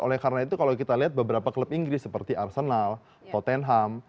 oleh karena itu kalau kita lihat beberapa klub inggris seperti arsenal tottenham